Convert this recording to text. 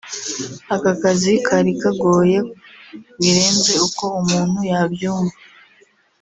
Aka kazi kari kagoye birenze uko umuntu yabyumva